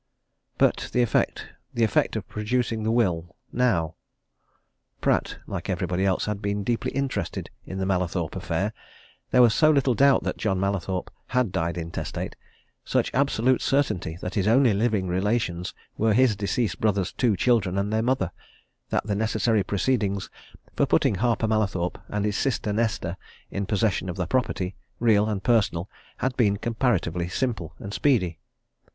But the effect the effect of producing the will now? Pratt, like everybody else, had been deeply interested in the Mallathorpe affair. There was so little doubt that John Mallathorpe had died intestate, such absolute certainty that his only living relations were his deceased brother's two children and their mother, that the necessary proceedings for putting Harper Mallathorpe and his sister Nesta in possession of the property, real and personal, had been comparatively simple and speedy.